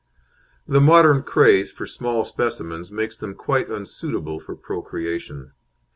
The modern craze for small specimens makes them quite unsuitable for procreation.